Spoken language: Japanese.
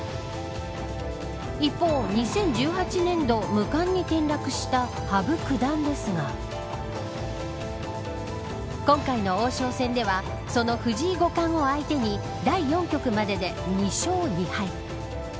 一方、２０１８年度無冠に転落した羽生九段ですが今回の王将戦ではその藤井五冠を相手に第４局まで２勝２敗。